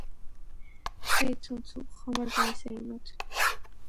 ჰეი ცუნცულ, ხომ არ გავისეირნოთ?